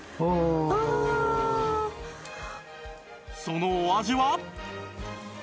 そのお味は？